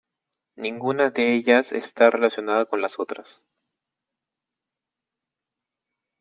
Ninguna de ellas está relacionada con las otras.